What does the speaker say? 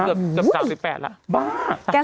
เกือบ๓๘แล้ว